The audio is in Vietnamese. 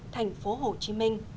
thành phố hồ chí